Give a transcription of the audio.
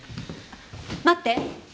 待って。